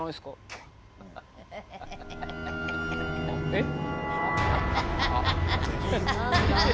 えっ。